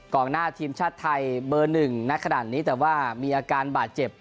หน้าทีมชาติไทยเบอร์หนึ่งณขนาดนี้แต่ว่ามีอาการบาดเจ็บ